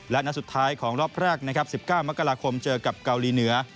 และนัดสุดท้ายของรอบแรกนะครับ๑๙มกราคมเจอกับเกาหลีเหนือ